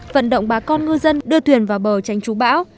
vận động bà con ngư dân đưa thuyền vào bờ tranh trú bão